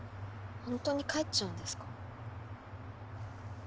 ほんとに帰っちゃうんですか？